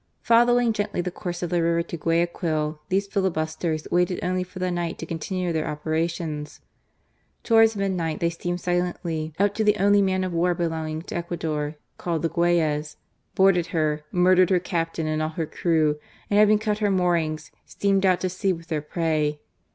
Following gently the course of the river to Guaya quil, these filibusters waited only for the night to continue their operations. Towards midnight, they steamed silently up to the only man of war belong ing to Ecuador, called the Guayas, boarded her, murdered her captain and all her crew, and having cut her moorings, steamed out to sea with their prey.